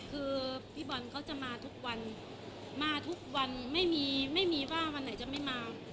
คือพี่บอลเขาจะมาทุกวันมาทุกวันไม่มีไม่มีว่าวันไหนจะไม่มา